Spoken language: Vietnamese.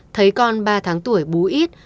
thấy con ba tháng tuổi bú ít